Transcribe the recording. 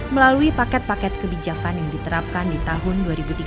melalui paket paket kebijakan yang diterapkan di tahun dua ribu tiga belas